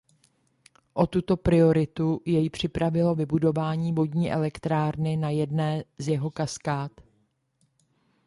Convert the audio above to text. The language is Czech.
O tuto prioritu jej připravilo vybudování vodní elektrárny na jedné z jeho kaskád.